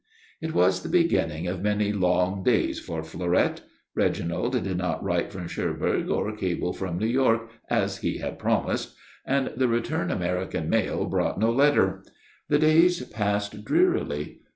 It was the beginning of many long days for Fleurette. Reginald did not write from Cherbourg or cable from New York, as he had promised, and the return American mail brought no letter. The days passed drearily.